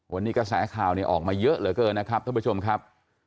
วันนี้กระแสข่าวออกมาเยอะเหลือเกินนะครับท่านผู้ชมครับ